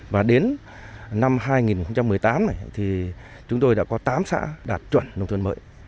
và đến năm hai nghìn một mươi tám chúng tôi đã có tám xã đạt chuẩn đồng tuần mới